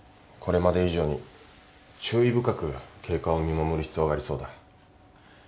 これまで以上に注意深く経過を見守る必要がありそうだ。